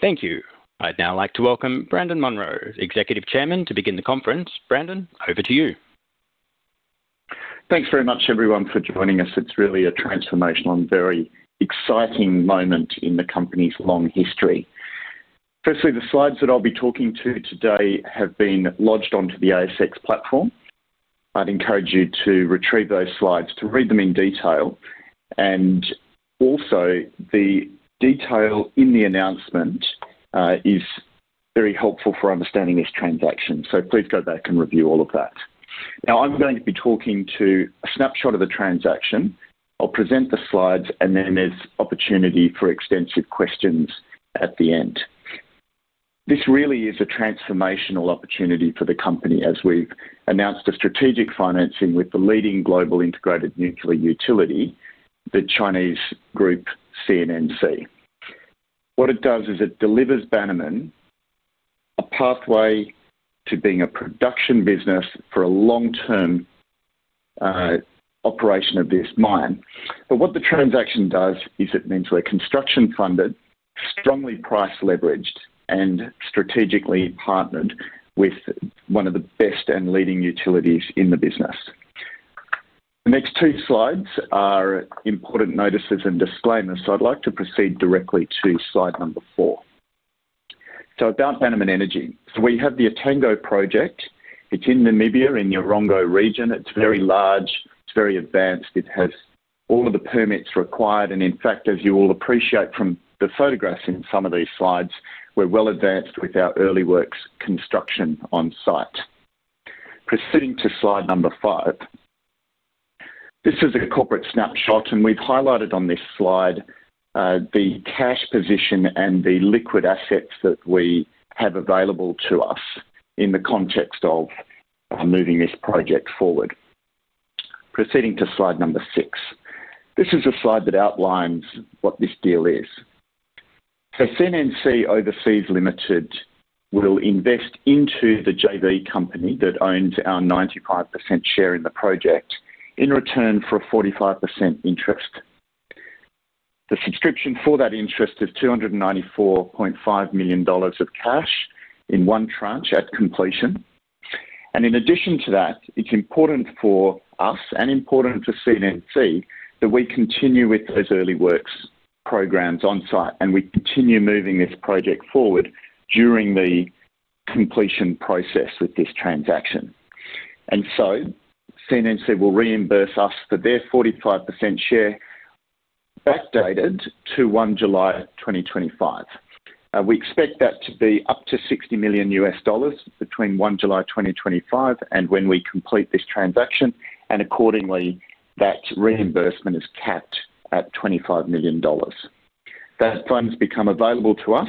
Thank you. I'd now like to welcome Brandon Munro, Executive Chairman, to begin the conference. Brandon, over to you. Thanks very much everyone for joining us. It's really a transformational and very exciting moment in the company's long history. Firstly, the slides that I'll be talking to today have been lodged onto the ASX platform. I'd encourage you to retrieve those slides, to read them in detail, and also, the detail in the announcement is very helpful for understanding this transaction. So please go back and review all of that. Now, I'm going to be talking to a snapshot of the transaction. I'll present the slides, and then there's opportunity for extensive questions at the end. This really is a transformational opportunity for the company as we've announced a strategic financing with the leading global integrated nuclear utility, the Chinese group, CNNC. What it does is it delivers Bannerman a pathway to being a production business for a long-term operation of this mine. But what the transaction does is it means we're construction funded, strongly price leveraged, and strategically partnered with one of the best and leading utilities in the business. The next two slides are important notices and disclaimers, so I'd like to proceed directly to slide number four. So about Bannerman Energy. So we have the Etango Project. It's in Namibia, in Erongo Region. It's very large, it's very advanced. It has all of the permits required, and in fact, as you all appreciate from the photographs in some of these slides, we're well advanced with our early works construction on site. Proceeding to slide number five. This is a corporate snapshot, and we've highlighted on this slide, the cash position and the liquid assets that we have available to us in the context of, moving this project forward. Proceeding to slide number six. This is a slide that outlines what this deal is. So CNNC Overseas Limited will invest into the JV company that owns our 95% share in the project in return for a 45% interest. The subscription for that interest is $294.5 million of cash in one tranche at completion. And in addition to that, it's important for us and important for CNNC, that we continue with those early works programs on site, and we continue moving this project forward during the completion process with this transaction. And so, CNNC will reimburse us for their 45% share, backdated to 1 July 2025. We expect that to be up to $60 million between 1 July 2025 and when we complete this transaction, and accordingly, that reimbursement is capped at $25 million. Those funds become available to us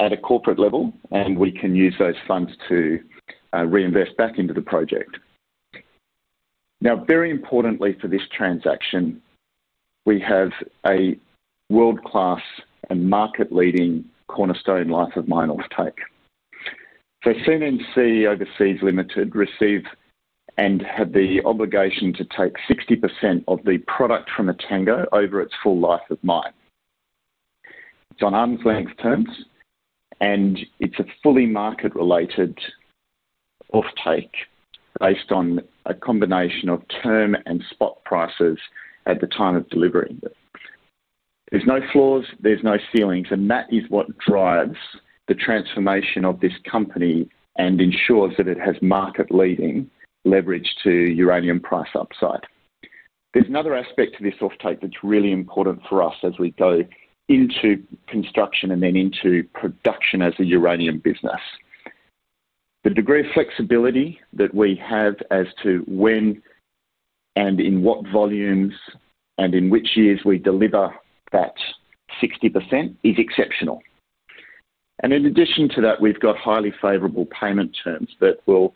at a corporate level, and we can use those funds to reinvest back into the project. Now, very importantly for this transaction, we have a world-class and market-leading cornerstone life of mine offtake. So CNNC Overseas Limited receive and have the obligation to take 60% of the product from Etango over its full life of mine. It's on arm's length terms, and it's a fully market-related offtake based on a combination of term and spot prices at the time of delivering it. There's no floors, there's no ceilings, and that is what drives the transformation of this company and ensures that it has market-leading leverage to uranium price upside. There's another aspect to this offtake that's really important for us as we go into construction and then into production as a uranium business. The degree of flexibility that we have as to when and in what volumes and in which years we deliver that 60% is exceptional. And in addition to that, we've got highly favorable payment terms that will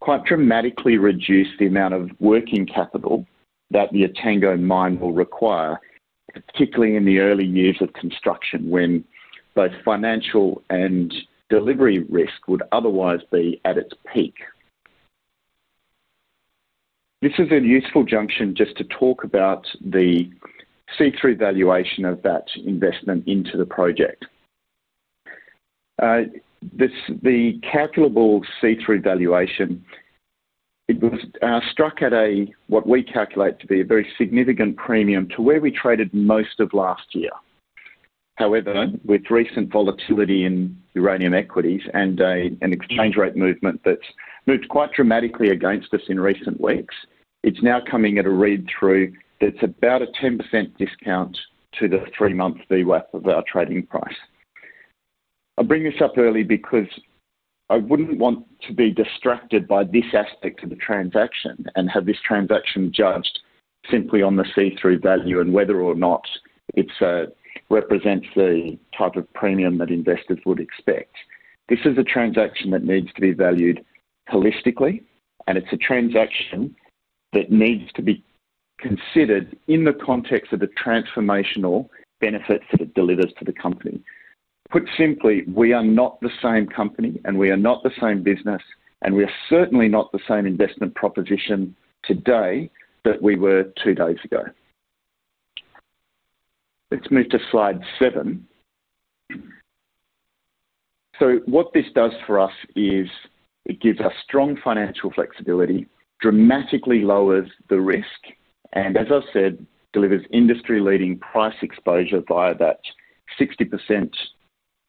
quite dramatically reduce the amount of working capital that the Etango Mine will require, particularly in the early years of construction, when both financial and delivery risk would otherwise be at its peak. This is a useful junction just to talk about the see-through valuation of that investment into the project. This, the calculable see-through valuation, it was struck at what we calculate to be a very significant premium to where we traded most of last year. However, with recent volatility in uranium equities and a, an exchange rate movement that's moved quite dramatically against us in recent weeks, it's now coming at a read-through that's about a 10% discount to the three-month VWAP of our trading price. I bring this up early because I wouldn't want to be distracted by this aspect of the transaction and have this transaction judged simply on the see-through value and whether or not it, represents the type of premium that investors would expect. This is a transaction that needs to be valued holistically, and it's a transaction that needs to be considered in the context of the transformational benefits that it delivers to the company. Put simply, we are not the same company, and we are not the same business, and we are certainly not the same investment proposition today that we were two days ago. Let's move to slide seven.... So what this does for us is, it gives us strong financial flexibility, dramatically lowers the risk, and as I said, delivers industry-leading price exposure via that 60%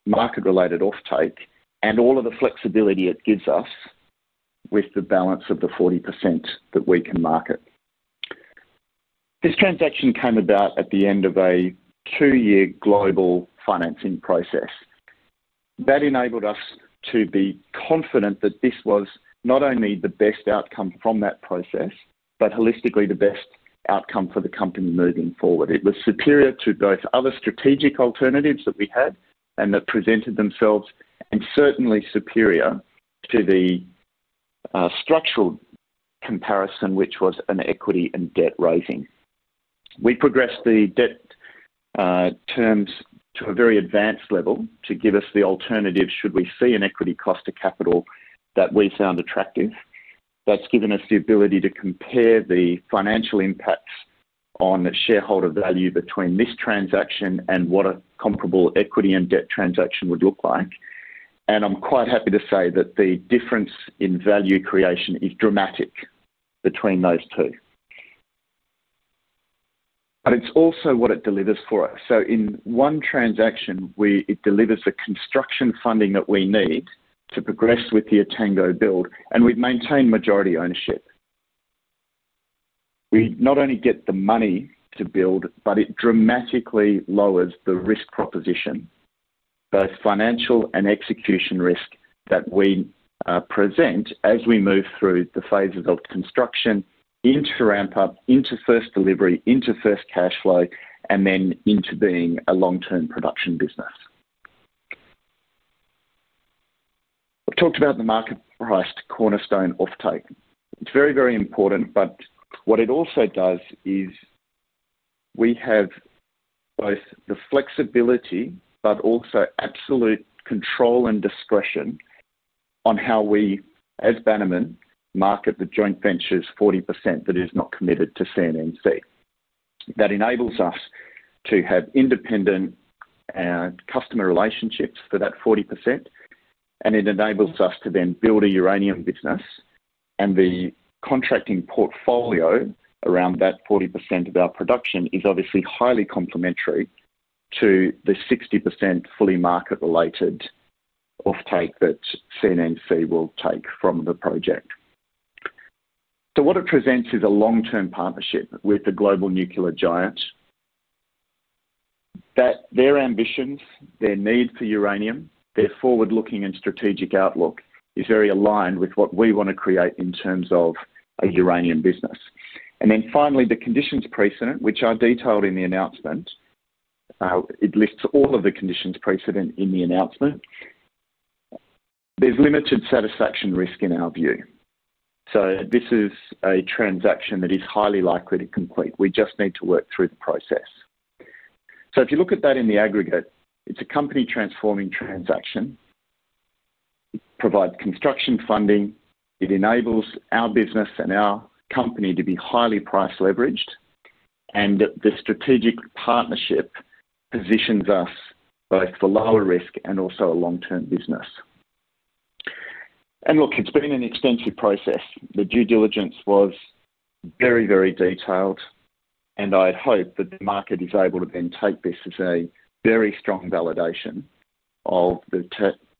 market-related offtake, and all of the flexibility it gives us with the balance of the 40% that we can market. This transaction came about at the end of a two-year global financing process. That enabled us to be confident that this was not only the best outcome from that process, but holistically the best outcome for the company moving forward. It was superior to both other strategic alternatives that we had and that presented themselves, and certainly superior to the structural comparison, which was an equity and debt raising. We progressed the debt terms to a very advanced level to give us the alternative, should we see an equity cost to capital that we found attractive. That's given us the ability to compare the financial impacts on the shareholder value between this transaction and what a comparable equity and debt transaction would look like. And I'm quite happy to say that the difference in value creation is dramatic between those two. But it's also what it delivers for us. So in one transaction, we, it delivers the construction funding that we need to progress with the Etango build, and we've maintained majority ownership. We not only get the money to build, but it dramatically lowers the risk proposition, both financial and execution risk, that we present as we move through the phases of construction into ramp-up, into first delivery, into first cash flow, and then into being a long-term production business. I've talked about the market-priced cornerstone offtake. It's very, very important, but what it also does is we have both the flexibility but also absolute control and discretion on how we, as Bannerman, market the joint venture's 40% that is not committed to CNNC. That enables us to have independent customer relationships for that 40%, and it enables us to then build a uranium business. The contracting portfolio around that 40% of our production is obviously highly complementary to the 60% fully market-related offtake that CNNC will take from the project. So what it presents is a long-term partnership with the global nuclear giant, that their ambitions, their need for uranium, their forward-looking and strategic outlook is very aligned with what we want to create in terms of a uranium business. And then finally, the conditions precedent, which are detailed in the announcement. It lists all of the conditions precedent in the announcement. There's limited satisfaction risk in our view. So this is a transaction that is highly likely to complete. We just need to work through the process. So if you look at that in the aggregate, it's a company-transforming transaction. It provides construction funding, it enables our business and our company to be highly price-leveraged, and the strategic partnership positions us both for lower risk and also a long-term business. And look, it's been an extensive process. The due diligence was very, very detailed, and I'd hope that the market is able to then take this as a very strong validation of the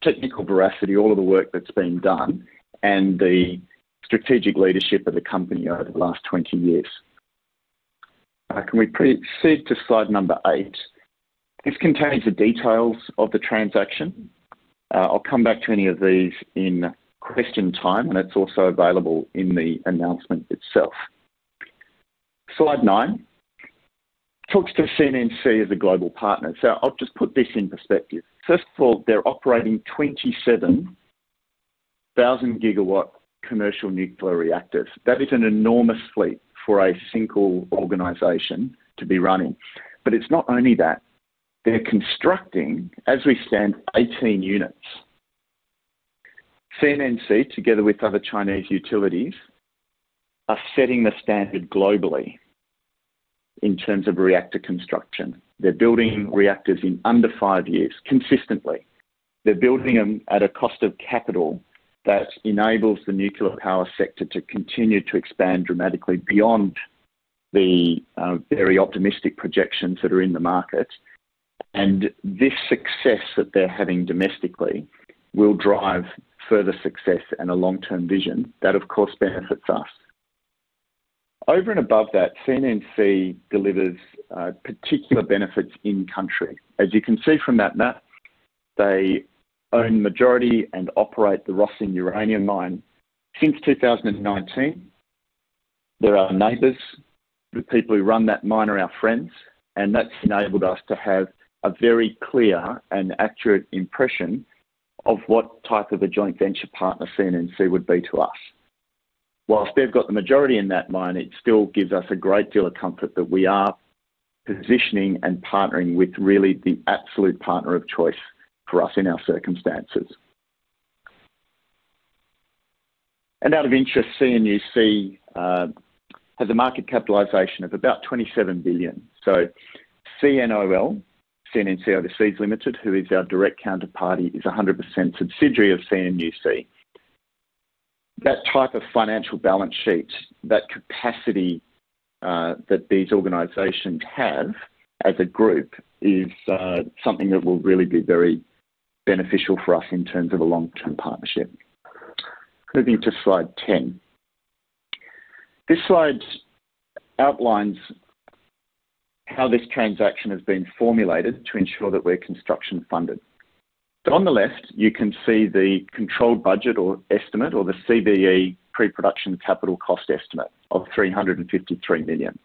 technical veracity, all of the work that's been done, and the strategic leadership of the company over the last 20 years. Can we please proceed to slide number eight? This contains the details of the transaction. I'll come back to any of these in question time, and it's also available in the announcement itself. Slide nine talks to CNNC as a global partner. So I'll just put this in perspective. First of all, they're operating 27,000 GW commercial nuclear reactors. That is an enormous fleet for a single organization to be running. But it's not only that, they're constructing, as we stand, 18 units. CNNC, together with other Chinese utilities, are setting the standard globally in terms of reactor construction. They're building reactors in under five years, consistently. They're building them at a cost of capital that enables the nuclear power sector to continue to expand dramatically beyond the very optimistic projections that are in the market. And this success that they're having domestically will drive further success and a long-term vision. That, of course, benefits us. Over and above that, CNNC delivers particular benefits in country. As you can see from that map, they own majority and operate the Rössing uranium mine. Since 2019, they're our neighbors. The people who run that mine are our friends, and that's enabled us to have a very clear and accurate impression of what type of a joint venture partner CNNC would be to us. While they've got the majority in that mine, it still gives us a great deal of comfort that we are positioning and partnering with really the absolute partner of choice for us in our circumstances.... And out of interest, CNUC has a market capitalization of about $27 billion. So CNOL, CNNC Overseas Limited, who is our direct counterparty, is a 100% subsidiary of CNUC. That type of financial balance sheet, that capacity, that these organizations have as a group, is something that will really be very beneficial for us in terms of a long-term partnership. Moving to slide 10. This slide outlines how this transaction has been formulated to ensure that we're construction funded. So on the left, you can see the controlled budget or estimate, or the CBE pre-production capital cost estimate of $353 million.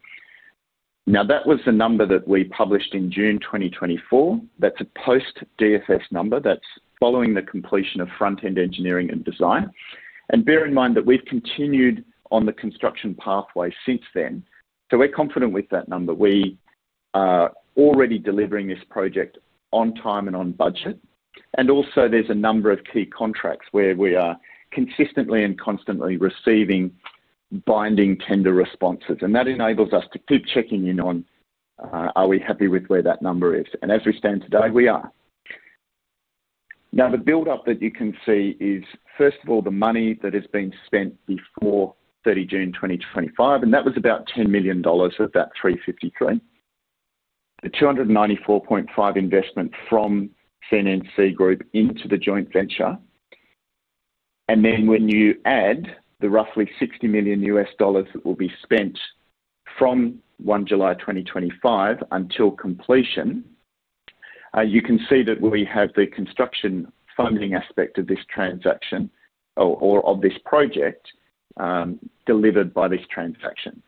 Now, that was the number that we published in June 2024. That's a post-DFS number. That's following the completion of front-end engineering and design. And bear in mind that we've continued on the construction pathway since then, so we're confident with that number. We are already delivering this project on time and on budget, and also there's a number of key contracts where we are consistently and constantly receiving binding tender responses. And that enables us to keep checking in on, are we happy with where that number is? And as we stand today, we are. Now, the buildup that you can see is, first of all, the money that has been spent before 30 June 2025, and that was about $10 million of that $353. The $294.5 million investment from CNNC group into the joint venture. And then when you add the roughly $60 million that will be spent from 1 July 2025 until completion, you can see that we have the construction funding aspect of this transaction or, or of this project, delivered by this transaction.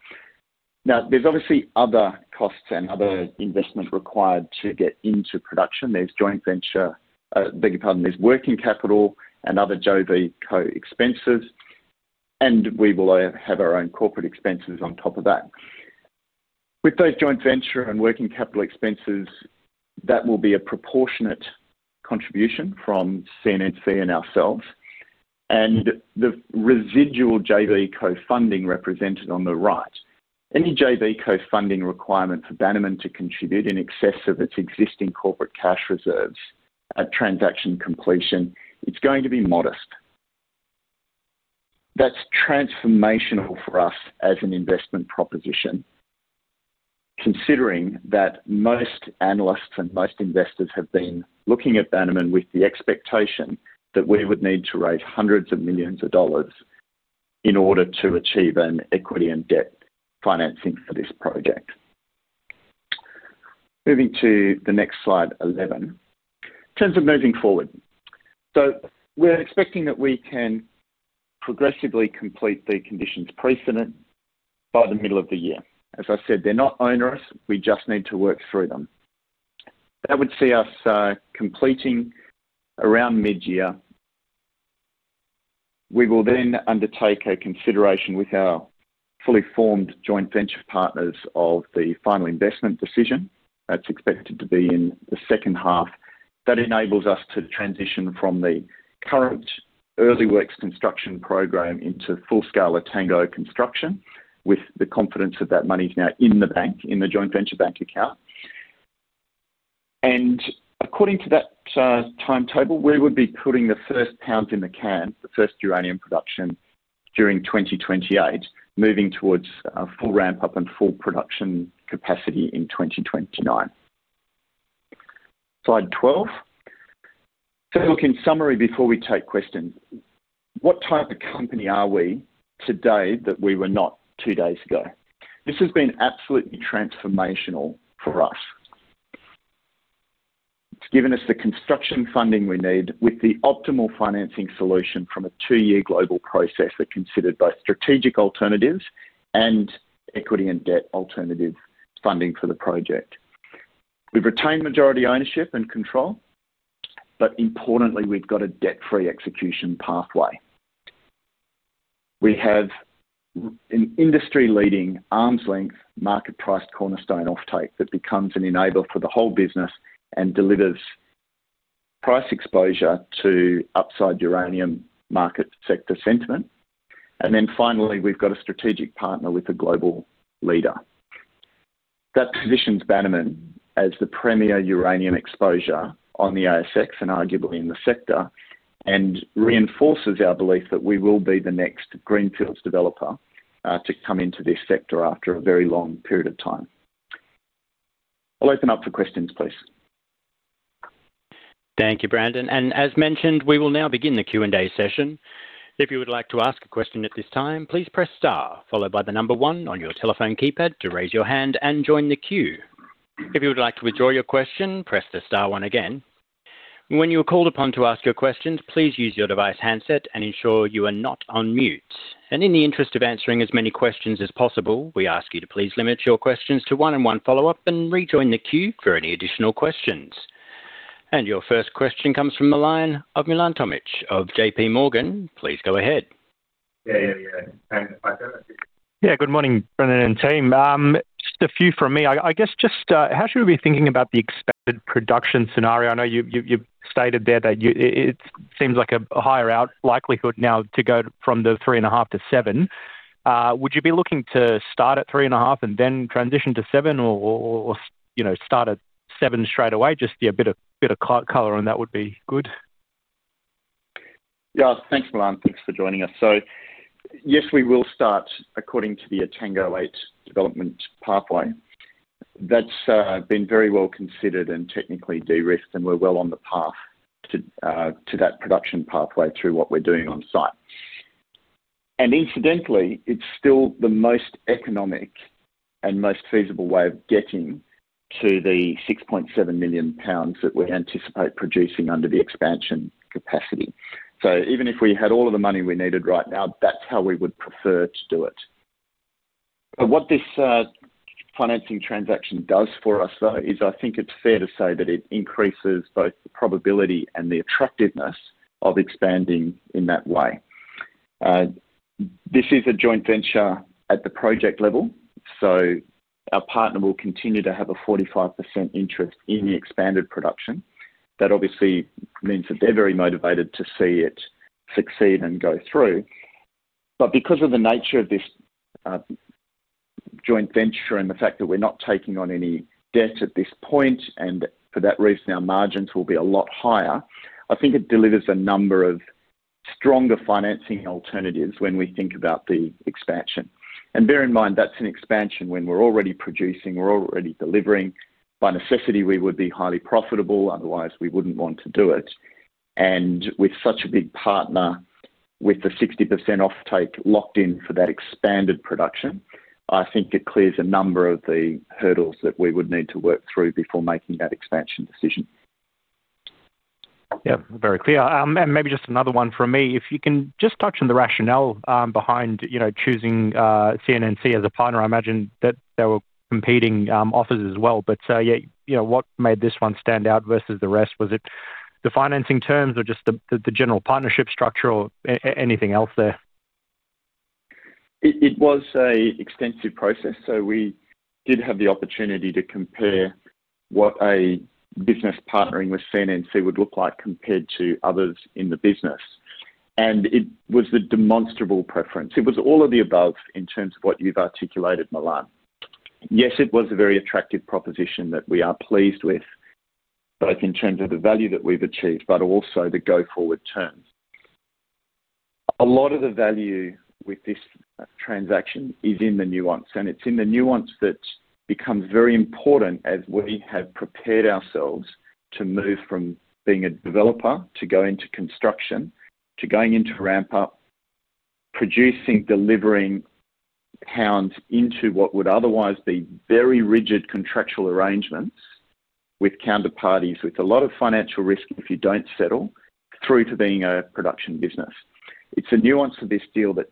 Now, there's obviously other costs and other investments required to get into production. There's joint venture, beg your pardon, there's working capital and other JV co-expenses, and we will have our own corporate expenses on top of that. With those joint venture and working capital expenses, that will be a proportionate contribution from CNNC and ourselves, and the residual JV co-funding represented on the right. Any JV co-funding requirement for Bannerman to contribute in excess of its existing corporate cash reserves at transaction completion, it's going to be modest. That's transformational for us as an investment proposition, considering that most analysts and most investors have been looking at Bannerman with the expectation that we would need to raise hundreds of millions in order to achieve an equity and debt financing for this project. Moving to the next slide, 11. In terms of moving forward, we're expecting that we can progressively complete the conditions precedent by the middle of the year. As I said, they're not onerous; we just need to work through them. That would see us completing around mid-year. We will then undertake a consideration with our fully formed joint venture partners of the final investment decision. That's expected to be in the second half. That enables us to transition from the current early works construction program into full-scale Etango construction, with the confidence that money's now in the bank, in the joint venture bank account. And according to that, timetable, we would be putting the first pounds in the can, the first uranium production, during 2028, moving towards a full ramp-up and full production capacity in 2029. Slide 12. So look, in summary, before we take questions, what type of company are we today that we were not two days ago? This has been absolutely transformational for us. It's given us the construction funding we need with the optimal financing solution from a two-year global process that considered both strategic alternatives and equity and debt alternative funding for the project. We've retained majority ownership and control, but importantly, we've got a debt-free execution pathway. We have an industry-leading, arm's length, market-priced cornerstone offtake that becomes an enabler for the whole business and delivers price exposure to upside uranium market sector sentiment. And then finally, we've got a strategic partner with a global leader. That positions Bannerman as the premier uranium exposure on the ASX, and arguably in the sector, and reinforces our belief that we will be the next greenfields developer, to come into this sector after a very long period of time. I'll open up for questions, please. Thank you, Brandon, and as mentioned, we will now begin the Q&A session. If you would like to ask a question at this time, please press star, followed by the number one on your telephone keypad to raise your hand and join the queue. If you would like to withdraw your question, press the star one again. When you are called upon to ask your questions, please use your device handset and ensure you are not on mute. And in the interest of answering as many questions as possible, we ask you to please limit your questions to one and one follow-up, and rejoin the queue for any additional questions. And your first question comes from the line of Milan Tomic of JP Morgan. Please go ahead. Yeah, yeah, yeah. Thanks.... Yeah, good morning, Brandon and team. Just a few from me. I guess, just, how should we be thinking about the expanded production scenario? I know you've stated there that it seems like a higher likelihood now to go from the three and a half to seven. Would you be looking to start at three and a hal and then transition to 7 or, you know, start at seven straight away? Just, yeah, a bit of color, and that would be good. Yeah. Thanks, Milan. Thanks for joining us. So yes, we will start according to the Etango-8 development pathway. That's been very well considered and technically de-risked, and we're well on the path to that production pathway through what we're doing on site. And incidentally, it's still the most economic and most feasible way of getting to the 6.7 million pounds that we anticipate producing under the expansion capacity. So even if we had all of the money we needed right now, that's how we would prefer to do it. But what this financing transaction does for us, though, is I think it's fair to say that it increases both the probability and the attractiveness of expanding in that way. This is a joint venture at the project level, so our partner will continue to have a 45% interest in the expanded production. That obviously means that they're very motivated to see it succeed and go through. But because of the nature of this joint venture and the fact that we're not taking on any debt at this point, and for that reason, our margins will be a lot higher. I think it delivers a number of stronger financing alternatives when we think about the expansion. And bear in mind, that's an expansion when we're already producing, we're already delivering. By necessity, we would be highly profitable, otherwise we wouldn't want to do it. With such a big partner, with the 60% offtake locked in for that expanded production, I think it clears a number of the hurdles that we would need to work through before making that expansion decision. Yeah, very clear. And maybe just another one from me. If you can just touch on the rationale behind, you know, choosing CNNC as a partner. I imagine that there were competing offers as well, but yeah, you know, what made this one stand out versus the rest? Was it the financing terms or just the general partnership structure or anything else there? It was an extensive process, so we did have the opportunity to compare what a business partnering with CNNC would look like compared to others in the business. It was the demonstrable preference. It was all of the above in terms of what you've articulated, Milan. Yes, it was a very attractive proposition that we are pleased with, both in terms of the value that we've achieved, but also the go-forward terms. A lot of the value with this transaction is in the nuance, and it's in the nuance that becomes very important as we have prepared ourselves to move from being a developer, to going to construction, to going into ramp up, producing, delivering pounds into what would otherwise be very rigid contractual arrangements with counterparties, with a lot of financial risk if you don't settle, through to being a production business. It's a nuance of this deal that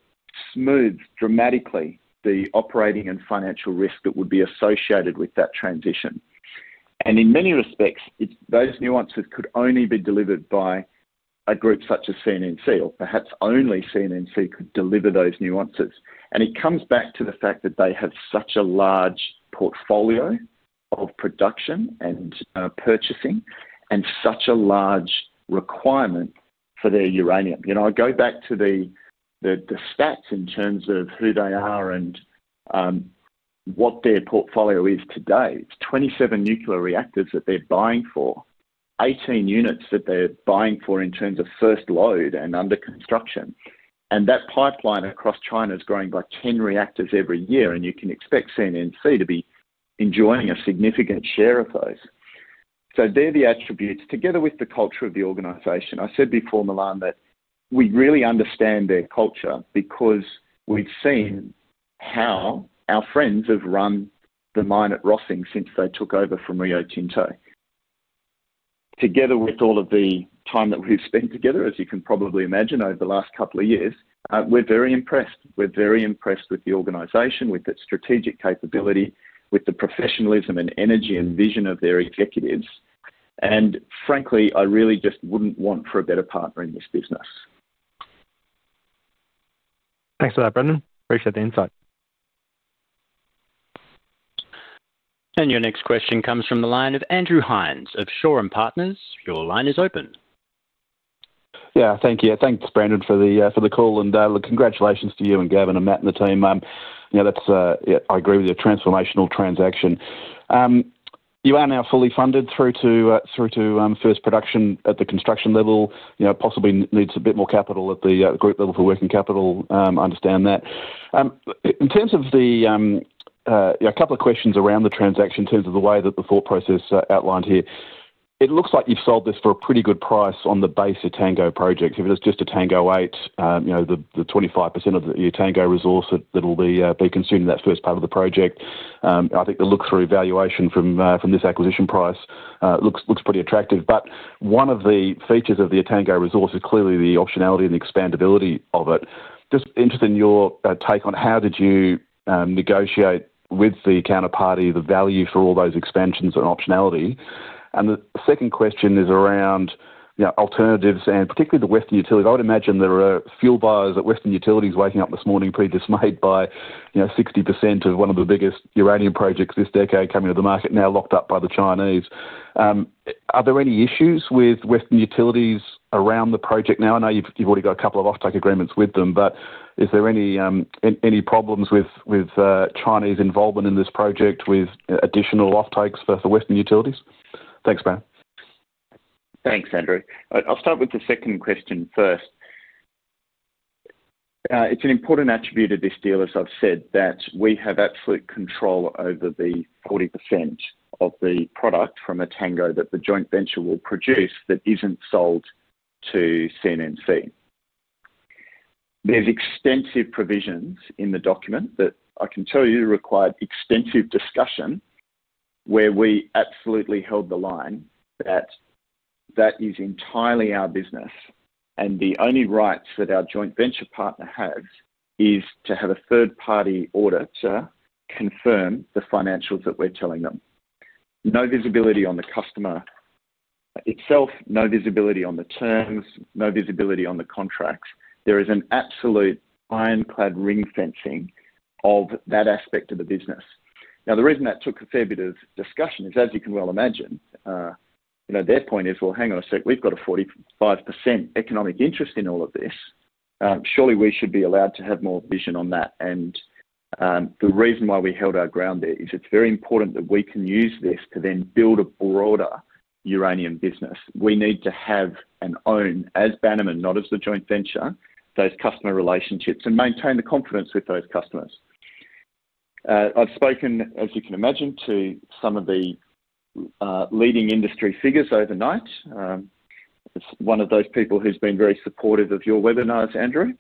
smooths dramatically the operating and financial risk that would be associated with that transition. And in many respects, it's those nuances could only be delivered by a group such as CNNC, or perhaps only CNNC could deliver those nuances. And it comes back to the fact that they have such a large portfolio of production and purchasing, and such a large requirement for their uranium. You know, I go back to the stats in terms of who they are and what their portfolio is today. It's 27 nuclear reactors that they're buying for, 18 units that they're buying for in terms of first load and under construction. And that pipeline across China is growing by ten reactors every year, and you can expect CNNC to be enjoying a significant share of those. So they're the attributes, together with the culture of the organization. I said before, Milan, that we really understand their culture because we've seen how our friends have run the mine at Rössing since they took over from Rio Tinto. Together with all of the time that we've spent together, as you can probably imagine, over the last couple of years, we're very impressed. We're very impressed with the organization, with its strategic capability, with the professionalism and energy and vision of their executives. And frankly, I really just wouldn't want for a better partner in this business. Thanks for that, Brandon. Appreciate the insight. Your next question comes from the line of Andrew Hines of Shaw and Partners. Your line is open. Yeah. Thank you. Thanks, Brandon, for the call, and look, congratulations to you and Gavin and Matt and the team. You know, that's yeah, I agree with you, a transformational transaction. You are now fully funded through to first production at the construction level. You know, possibly needs a bit more capital at the group level for working capital, understand that. In terms of the... Yeah, a couple of questions around the transaction in terms of the way that the thought process outlined here. It looks like you've sold this for a pretty good price on the base Etango project. If it was just Etango-8, you know, the 25% of the Etango resource that will be consumed in that first part of the project, I think the look-through valuation from this acquisition price looks pretty attractive. But one of the features of the Etango resource is clearly the optionality and expandability of it. Just interested in your take on how did you negotiate with the counterparty, the value for all those expansions and optionality? And the second question is around, you know, alternatives and particularly the Western Utilities. I would imagine there are fuel buyers at Western Utilities waking up this morning pretty dismayed by, you know, 60% of one of the biggest uranium projects this decade coming to the market now locked up by the Chinese. Are there any issues with Western Utilities around the project? Now, I know you've already got a couple of offtake agreements with them, but is there any problems with Chinese involvement in this project with additional offtakes for the Western Utilities? Thanks, Bran. Thanks, Andrew. I'll start with the second question first. It's an important attribute of this deal, as I've said, that we have absolute control over the 40% of the product from Etango that the joint venture will produce that isn't sold to CNNC. There's extensive provisions in the document that I can tell you required extensive discussion, where we absolutely held the line that that is entirely our business, and the only rights that our joint venture partner has is to have a third-party auditor confirm the financials that we're telling them. No visibility on the customer itself, no visibility on the terms, no visibility on the contracts. There is an absolute ironclad ring-fencing of that aspect of the business. Now, the reason that took a fair bit of discussion is, as you can well imagine, you know, their point is, "Well, hang on a sec, we've got a 45% economic interest in all of this. Surely we should be allowed to have more vision on that." And the reason why we held our ground there is it's very important that we can use this to then build a broader uranium business. We need to have and own, as Bannerman, not as the joint venture, those customer relationships and maintain the confidence with those customers. I've spoken, as you can imagine, to some of the leading industry figures overnight. One of those people who's been very supportive of your webinars, Andrew,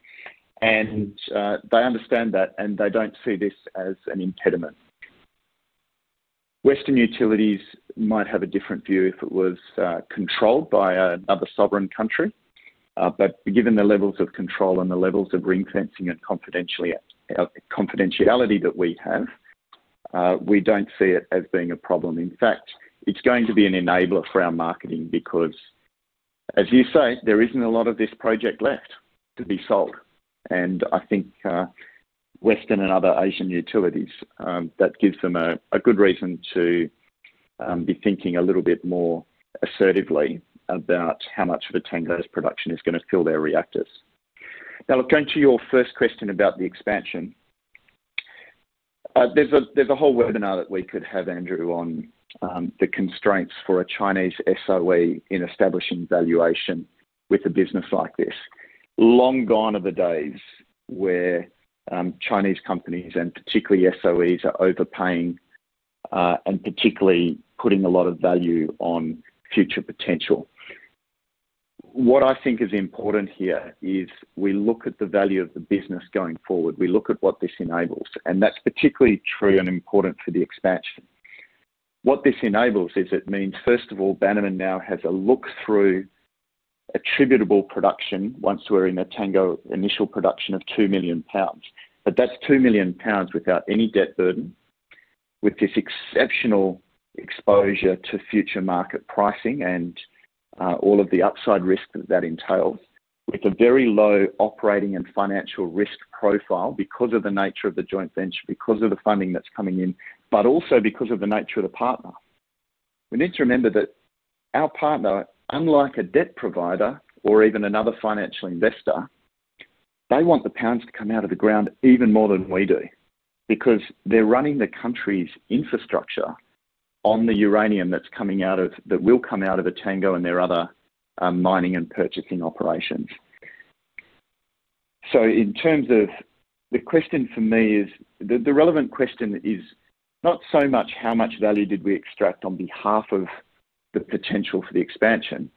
and they understand that, and they don't see this as an impediment. Western utilities might have a different view if it was controlled by another sovereign country. But given the levels of control and the levels of ring-fencing and confidentiality that we have, we don't see it as being a problem. In fact, it's going to be an enabler for our marketing because, as you say, there isn't a lot of this project left to be sold. And I think, western and other Asian utilities, that gives them a good reason to be thinking a little bit more assertively about how much of Etango's production is gonna fill their reactors. Now, looking to your first question about the expansion. There's a whole webinar that we could have, Andrew, on the constraints for a Chinese SOE in establishing valuation with a business like this. Long gone are the days where Chinese companies, and particularly SOEs, are overpaying, and particularly putting a lot of value on future potential. What I think is important here is we look at the value of the business going forward. We look at what this enables, and that's particularly true and important for the expansion. What this enables is it means, first of all, Bannerman now has a look-through attributable production once we're in Etango initial production of two million pounds. But that's two million pounds without any debt burden, with this exceptional exposure to future market pricing and all of the upside risk that that entails, with a very low operating and financial risk profile because of the nature of the joint venture, because of the funding that's coming in, but also because of the nature of the partner. We need to remember that our partner, unlike a debt provider or even another financial investor, they want the pounds to come out of the ground even more than we do because they're running the country's infrastructure on the uranium that's coming out of, that will come out of Etango and their other mining and purchasing operations. So in terms of... The question for me is, the relevant question is not so much how much value did we extract on behalf of the potential for the expansion?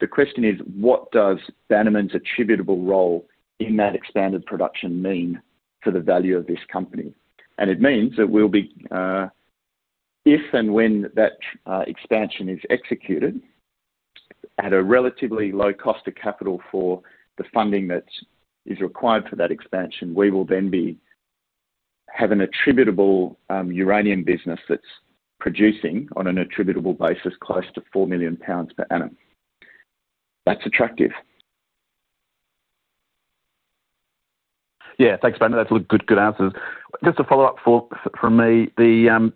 The question is: What does Bannerman's attributable role in that expanded production mean for the value of this company? It means that we'll be, if and when that expansion is executed, at a relatively low cost of capital for the funding that's required for that expansion, we will then have an attributable uranium business that's producing on an attributable basis, close to four million pounds per annum. That's attractive. Yeah. Thanks, Brandon. That's good, good answers. Just a follow-up from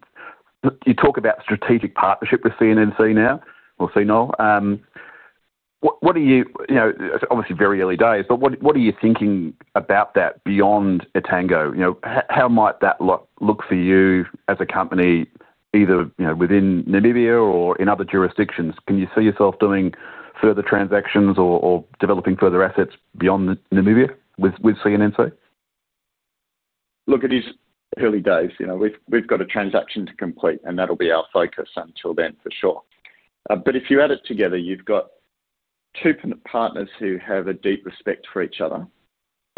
me, you talk about strategic partnership with CNNC now or CNO. What, what are you... You know, obviously, very early days, but what, what are you thinking about that beyond Etango? You know, how might that look, look for you as a company, either, you know, within Namibia or in other jurisdictions? Can you see yourself doing further transactions or, or developing further assets beyond Namibia with, with CNNC? Look, it is early days, you know, we've got a transaction to complete, and that'll be our focus until then, for sure. But if you add it together, you've got two partners who have a deep respect for each other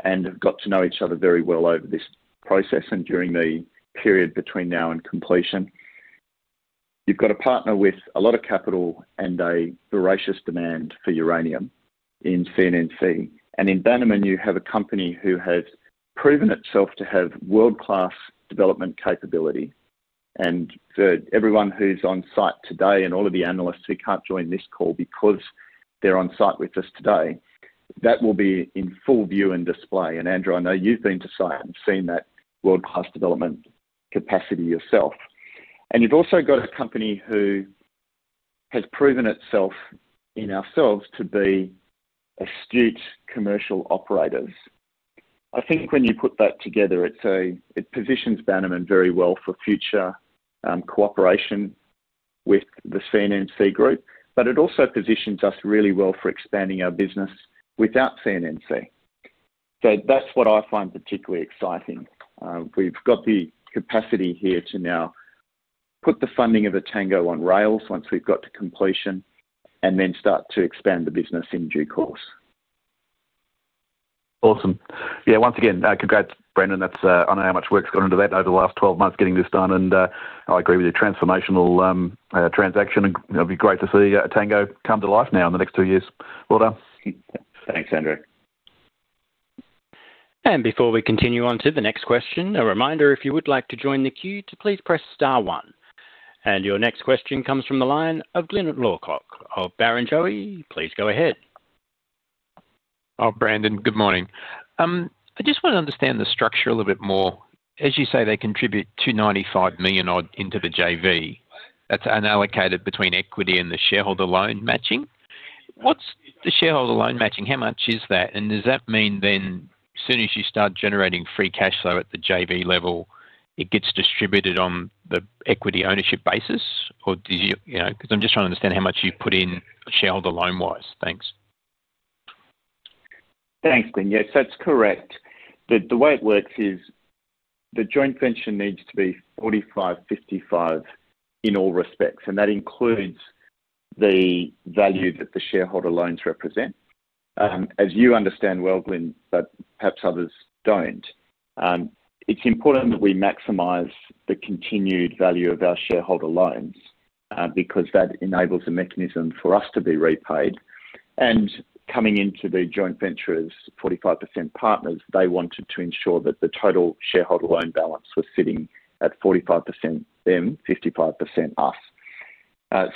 and have got to know each other very well over this process and during the period between now and completion. You've got a partner with a lot of capital and a voracious demand for uranium... in CNNC. And in Bannerman, you have a company who has proven itself to have world-class development capability. And for everyone who's on site today, and all of the analysts who can't join this call because they're on site with us today, that will be in full view and display. And Andrew, I know you've been to site and seen that world-class development capacity yourself. You've also got a company who has proven itself in ourselves to be astute commercial operators. I think when you put that together, it positions Bannerman very well for future cooperation with the CNNC group, but it also positions us really well for expanding our business without CNNC. So that's what I find particularly exciting. We've got the capacity here to now put the funding of Etango on rails once we've got to completion, and then start to expand the business in due course. Awesome. Yeah, once again, congrats, Brandon. That's, I know how much work's gone into that over the last 12 months, getting this done, and, I agree with you, transformational transaction, and it'll be great to see, Etango come to life now in the next two years. Well done. Thanks, Andrew. Before we continue on to the next question, a reminder, if you would like to join the queue, to please press star one. Your next question comes from the line of Glyn Lawcock of Barrenjoey. Please go ahead. Oh, Brandon, good morning. I just want to understand the structure a little bit more. As you say, they contribute $295 million odd into the JV. That's unallocated between equity and the shareholder loan matching. What's the shareholder loan matching? How much is that? And does that mean then, as soon as you start generating free cash flow at the JV level, it gets distributed on the equity ownership basis? Or do you... You know, because I'm just trying to understand how much you've put in shareholder loan-wise. Thanks. Thanks, Glyn. Yes, that's correct. The way it works is, the joint venture needs to be 45-55 in all respects, and that includes the value that the shareholder loans represent. As you understand well, Glyn, but perhaps others don't, it's important that we maximize the continued value of our shareholder loans, because that enables a mechanism for us to be repaid. And coming into the joint venture as 45% partners, they wanted to ensure that the total shareholder loan balance was sitting at 45% them, 55% us.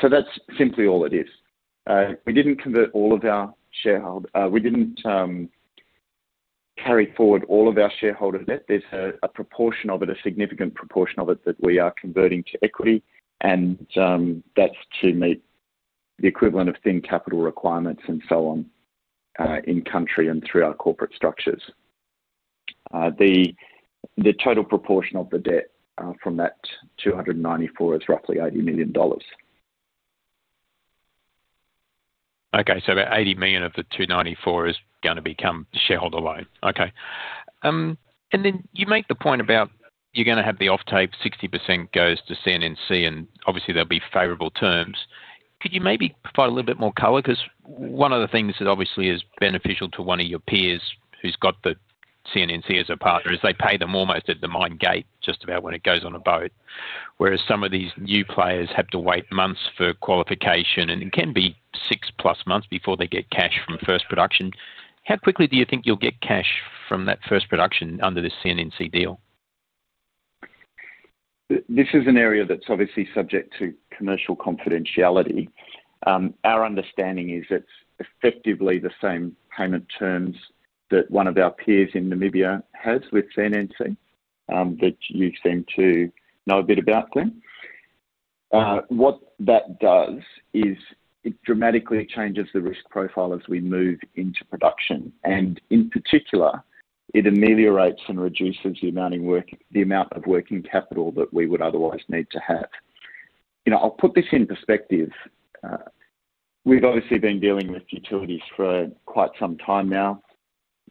So that's simply all it is. We didn't convert all of our shareholder loans. We didn't carry forward all of our shareholder debt. There's a proportion of it, a significant proportion of it, that we are converting to equity, and, that's to meet the equivalent of thin capital requirements and so on, in country and through our corporate structures. The total proportion of the debt, from that 294 is roughly $80 million. Okay, so about $80 million of the $294 is gonna become shareholder loan. Okay. And then you make the point about you're gonna have the offtake, 60% goes to CNNC, and obviously, they'll be favorable terms. Could you maybe provide a little bit more color? Because one of the things that obviously is beneficial to one of your peers, who's got the CNNC as a partner, is they pay them almost at the mine gate, just about when it goes on a boat, whereas some of these new players have to wait months for qualification, and it can be six+ months before they get cash from first production. How quickly do you think you'll get cash from that first production under the CNNC deal? This is an area that's obviously subject to commercial confidentiality. Our understanding is it's effectively the same payment terms that one of our peers in Namibia has with CNNC, that you seem to know a bit about, Glyn. What that does is it dramatically changes the risk profile as we move into production, and in particular, it ameliorates and reduces the amount of work, the amount of working capital that we would otherwise need to have. You know, I'll put this in perspective. We've obviously been dealing with utilities for quite some time now.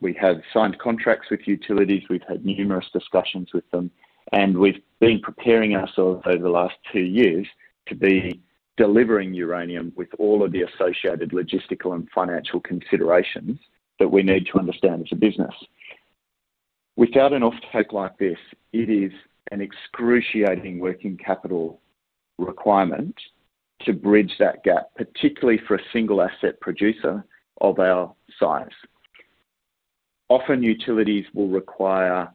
We have signed contracts with utilities, we've had numerous discussions with them, and we've been preparing ourselves over the last two years to be delivering uranium with all of the associated logistical and financial considerations that we need to understand as a business. Without an offtake like this, it is an excruciating working capital requirement to bridge that gap, particularly for a single asset producer of our size. Often, utilities will require,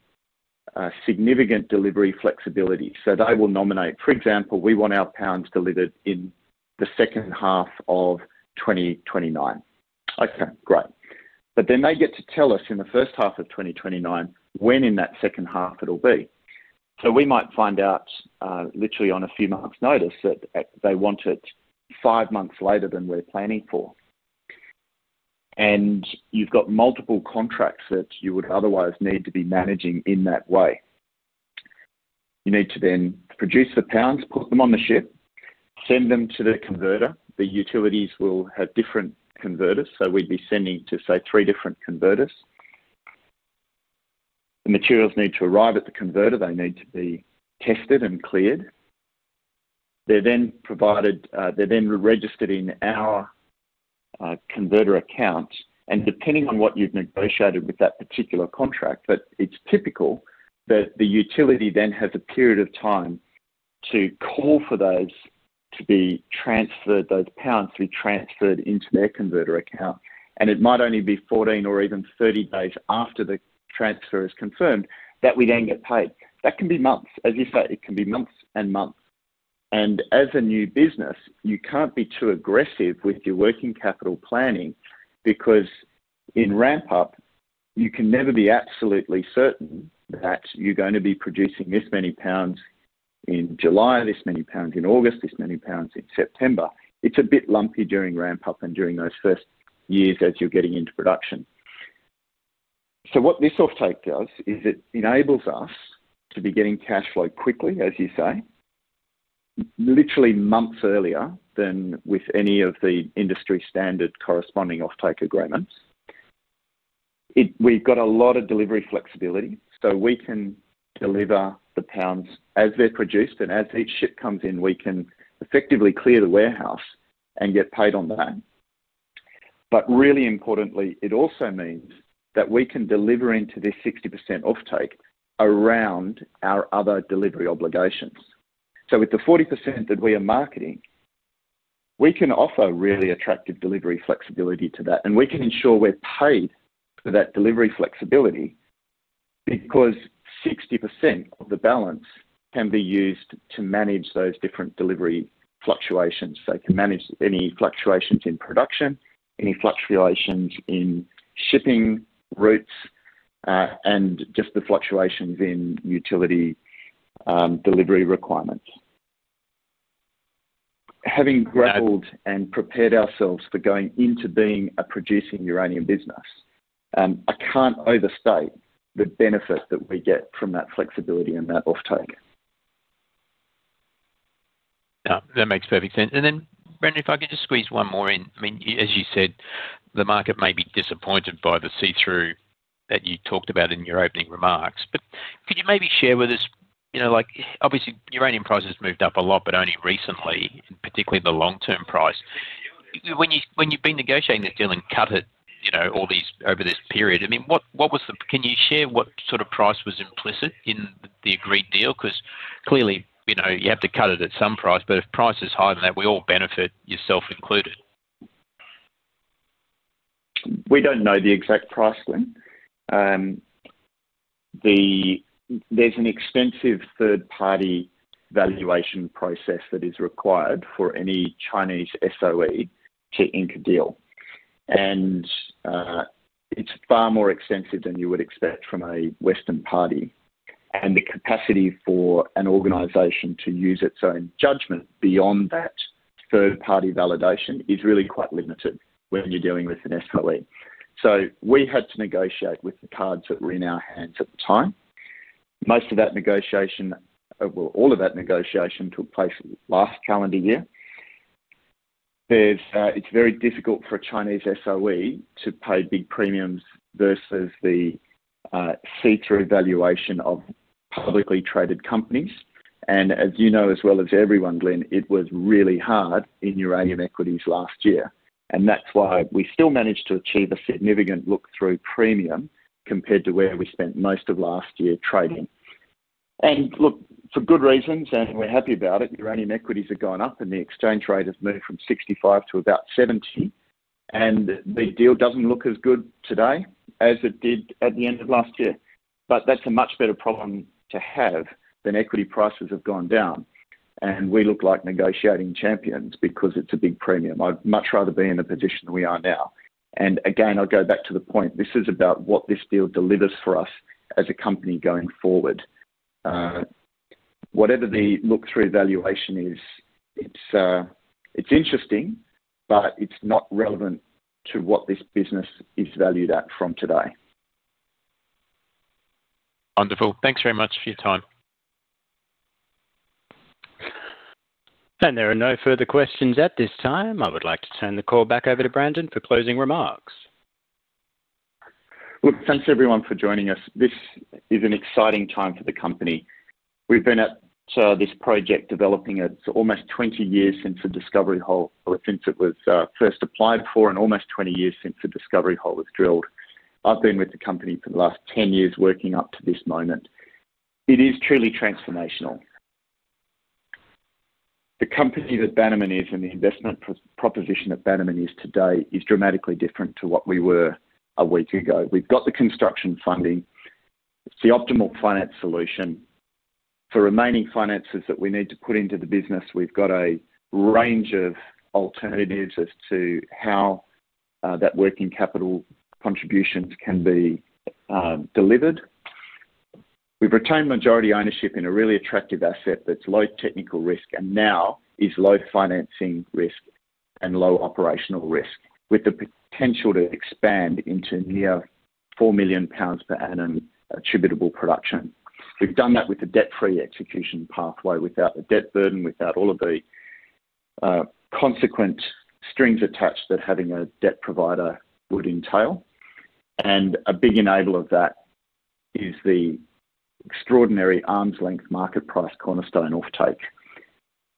significant delivery flexibility, so they will nominate... For example, we want our pounds delivered in the second half of 2029. Okay, great. But then they get to tell us in the first half of 2029, when in that second half it'll be. So we might find out, literally on a few months' notice that, they want it five months later than we're planning for. And you've got multiple contracts that you would otherwise need to be managing in that way. You need to then produce the pounds, put them on the ship, send them to the converter. The utilities will have different converters, so we'd be sending to, say, three different converters. The materials need to arrive at the converter. They need to be tested and cleared. They're then provided, they're then registered in our converter account, and depending on what you've negotiated with that particular contract, but it's typical that the utility then has a period of time to call for those to be transferred, those pounds to be transferred into their converter account, and it might only be 14 or even 30 days after the transfer is confirmed, that we then get paid. That can be months. As you say, it can be months and months. And as a new business, you can't be too aggressive with your working capital planning because in ramp-up, you can never be absolutely certain that you're gonna be producing this many pounds in July, this many pounds in August, this many pounds in September. It's a bit lumpy during ramp-up and during those first years as you're getting into production. So what this offtake does is it enables us to be getting cash flow quickly, as you say, literally months earlier than with any of the industry-standard corresponding offtake agreements. It. We've got a lot of delivery flexibility, so we can deliver the pounds as they're produced, and as each ship comes in, we can effectively clear the warehouse and get paid on that. But really importantly, it also means that we can deliver into this 60% offtake around our other delivery obligations. So with the 40% that we are marketing, we can offer really attractive delivery flexibility to that, and we can ensure we're paid for that delivery flexibility, because 60% of the balance can be used to manage those different delivery fluctuations. So it can manage any fluctuations in production, any fluctuations in shipping routes, and just the fluctuations in utility delivery requirements. Having grappled and prepared ourselves for going into being a producing uranium business, I can't overstate the benefit that we get from that flexibility and that offtake. Yeah, that makes perfect sense. And then, Brandon, if I could just squeeze one more in. I mean, as you said, the market may be disappointed by the see-through that you talked about in your opening remarks, but could you maybe share with us, you know, like, obviously, uranium prices moved up a lot, but only recently, particularly the long-term price. When you've been negotiating this deal and cut it, you know, all these over this period, I mean, can you share what sort of price was implicit in the agreed deal? 'Cause clearly, you know, you have to cut it at some price, but if price is higher than that, we all benefit, yourself included. We don't know the exact price, Glyn. There's an extensive third-party valuation process that is required for any Chinese SOE to ink a deal. And it's far more extensive than you would expect from a Western party, and the capacity for an organization to use its own judgment beyond that third-party validation is really quite limited when you're dealing with an SOE. So we had to negotiate with the cards that were in our hands at the time. Most of that negotiation, well, all of that negotiation took place last calendar year. It's very difficult for a Chinese SOE to pay big premiums versus the see-through valuation of publicly traded companies. As you know, as well as everyone, Glyn, it was really hard in uranium equities last year, and that's why we still managed to achieve a significant look-through premium compared to where we spent most of last year trading. Look, for good reasons, and we're happy about it, uranium equities have gone up, and the exchange rate has moved from 65 to about 70, and the deal doesn't look as good today as it did at the end of last year. But that's a much better problem to have than equity prices have gone down, and we look like negotiating champions because it's a big premium. I'd much rather be in the position we are now. And again, I'll go back to the point, this is about what this deal delivers for us as a company going forward. Whatever the look-through valuation is, it's interesting, but it's not relevant to what this business is valued at from today. Wonderful. Thanks very much for your time. There are no further questions at this time. I would like to turn the call back over to Brandon for closing remarks. Look, thanks everyone for joining us. This is an exciting time for the company. We've been at this project, developing it for almost 20 years since the discovery hole, or since it was first applied for, and almost 20 years since the discovery hole was drilled. I've been with the company for the last 10 years working up to this moment. It is truly transformational. The company that Bannerman is and the investment proposition that Bannerman is today, is dramatically different to what we were a week ago. We've got the construction funding, it's the optimal finance solution. For remaining finances that we need to put into the business, we've got a range of alternatives as to how that working capital contributions can be delivered. We've retained majority ownership in a really attractive asset that's low technical risk, and now is low financing risk and low operational risk, with the potential to expand into near 4 million pounds per annum attributable production. We've done that with a debt-free execution pathway, without the debt burden, without all of the consequent strings attached that having a debt provider would entail, and a big enabler of that is the extraordinary arm's-length market price cornerstone offtake.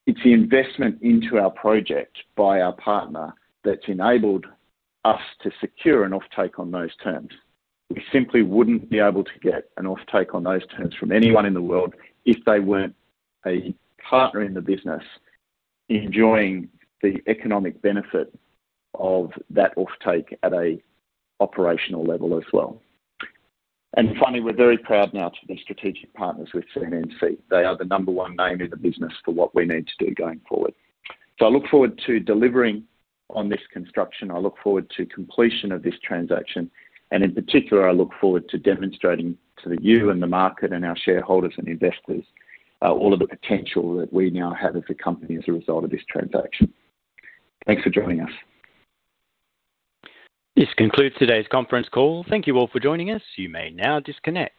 It's the investment into our project by our partner, that's enabled us to secure an offtake on those terms. We simply wouldn't be able to get an offtake on those terms from anyone in the world if they weren't a partner in the business, enjoying the economic benefit of that offtake at a operational level as well. And finally, we're very proud now to be strategic partners with CNNC. They are the number one name in the business for what we need to do going forward. So I look forward to delivering on this construction, I look forward to completion of this transaction, and in particular, I look forward to demonstrating to you and the market and our shareholders and investors, all of the potential that we now have as a company as a result of this transaction. Thanks for joining us. This concludes today's conference call. Thank you all for joining us. You may now disconnect.